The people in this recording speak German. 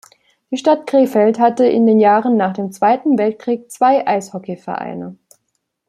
Die Stadt Krefeld hatte in den Jahren nach dem Zweiten Weltkrieg zwei Eishockeyvereine.